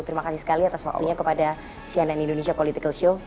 terima kasih sekali atas waktunya kepada cnn indonesia political show